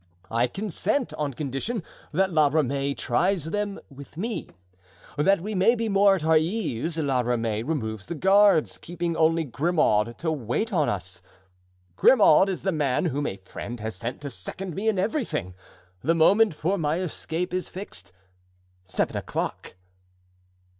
I consent on condition that La Ramee tries them with me. That we may be more at our ease, La Ramee removes the guards, keeping only Grimaud to wait on us. Grimaud is the man whom a friend has sent to second me in everything. The moment for my escape is fixed—seven o'clock.